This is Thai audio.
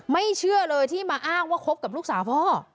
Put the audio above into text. เชื่อเลยที่มาอ้างว่าคบกับลูกสาวพ่อ